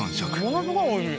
ものすごい美味しい。